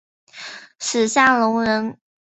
史夏隆人。